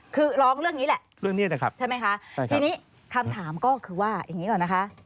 คือร้องเรื่องนี้แหละใช่ไหมคะคำถามก็คือว่าอย่างนี้ก่อนนะคะ